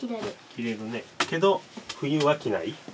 着れるねけど冬は着ない。